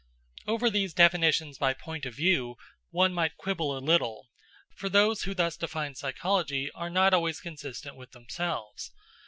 Over these definitions by point of view, one might quibble a little; for those who thus define psychology are not always consistent with themselves.